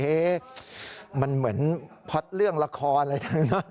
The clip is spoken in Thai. เอ๊ะมันเหมือนพ็อตเรื่องละครอะไรทั้งนั้น